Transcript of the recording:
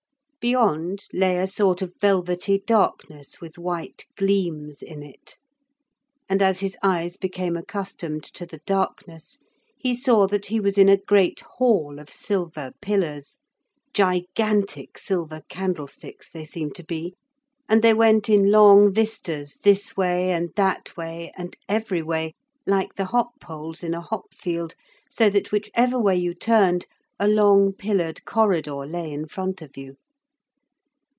Beyond lay a sort of velvety darkness with white gleams in it. And as his eyes became accustomed to the darkness, he saw that he was in a great hall of silver pillars, gigantic silver candlesticks they seemed to be, and they went in long vistas this way and that way and every way, like the hop poles in a hop field, so that whichever way you turned, a long pillared corridor lay in front of you.